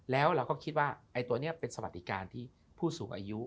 แล้วเราก็คิดว่าไอ้ตัวนี้เป็นสวัสดิการที่ผู้สูงอายุ